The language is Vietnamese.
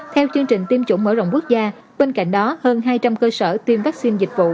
theo chương trình tiêm chủng mở rộng quốc gia bên cạnh đó hơn hai trăm linh cơ sở tiêm vaccine dịch vụ